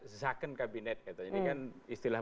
second cabinet ini kan istilah